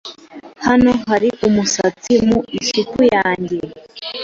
Hano hari umusatsi mu isupu yanjye.